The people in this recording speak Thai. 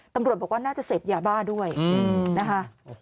ตำรวจบอกว่าน่าจะเสพยาบ้าด้วยนะคะ